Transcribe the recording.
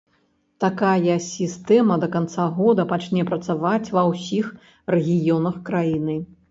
Такая сістэма да канца года пачне працаваць ва ўсіх рэгіёнах краіны.